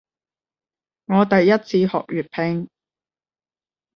我第一次學粵拼